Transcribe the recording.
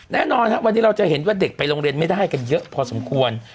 แน่นอนครับวันนี้เราจะเห็นว่าเด็กไปโรงเรียนไม่ได้กันเยอะพอสมควร